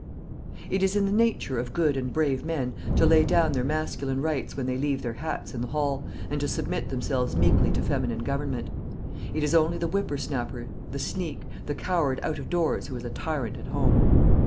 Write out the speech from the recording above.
It is in the nature of good and brave men to lay down their masculine rights when they leave their hats in the hall, and to submit themselves meekly to feminine government. It is only the whippersnapper, the sneak, the coward out of doors who is a tyrant at home.